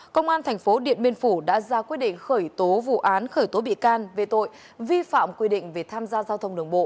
công an thành phố điện biên phủ đã ra quyết định khởi tố vụ án khởi tố bị can về tội vi phạm quy định về tham gia giao thông đường bộ